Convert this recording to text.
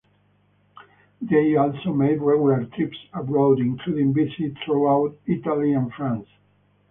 They also made regular trips abroad including visits throughout Italy and France.